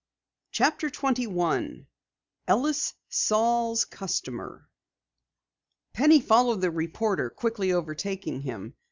CHAPTER 21 ELLIS SAAL'S CUSTOMER Penny followed the reporter, quickly overtaking him.